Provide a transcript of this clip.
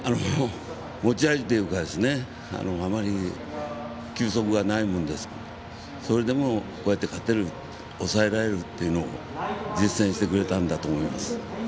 持ち味というかあまり球速がないものですからそれでも、こうやって勝てる抑えられるというのを実践してくれたんだと思います。